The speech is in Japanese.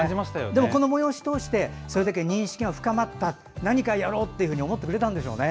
この催しを通してそれだけ認識が深まった何かやろうと思ってくれたんでしょうね。